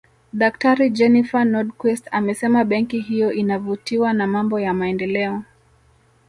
Daktari Jennifer Nordquist amesema benki hiyo inavutiwa na mambo ya maendeleo